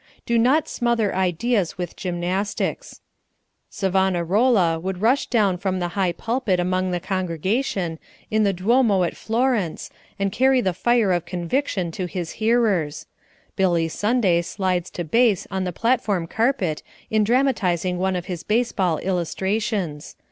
Do not smother ideas with gymnastics. Savonarola would rush down from the high pulpit among the congregation in the duomo at Florence and carry the fire of conviction to his hearers; Billy Sunday slides to base on the platform carpet in dramatizing one of his baseball illustrations.